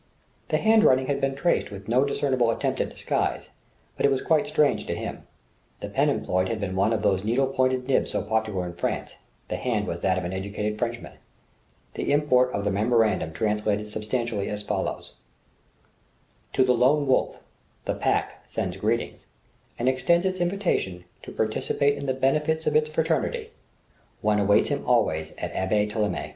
The handwriting had been traced with no discernible attempt at disguise, but was quite strange to him. The pen employed had been one of those needle pointed nibs so popular in France; the hand was that of an educated Frenchman. The import of the memorandum translated substantially as follows: _"To the Lone Wolf "The Pack sends Greetings "and extends its invitation "to participate in the benefits "of its Fraternity. "One awaits him always at "L'Abbaye Thêléme."